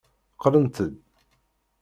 Qqlent-d.